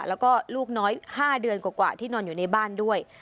แล้วก็ลูกน้อย๕เดือนกว่าที่นอนอยู่ในบ้านด้วย